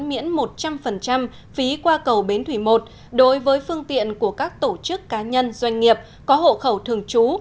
miễn một trăm linh phí qua cầu bến thủy một đối với phương tiện của các tổ chức cá nhân doanh nghiệp có hộ khẩu thường trú